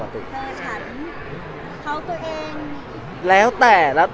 เธอฯหรือฉัน